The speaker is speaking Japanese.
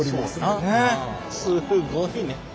すごいね。